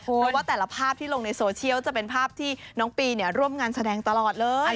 เพราะว่าแต่ละภาพที่ลงในโซเชียลจะเป็นภาพที่น้องปีร่วมงานแสดงตลอดเลย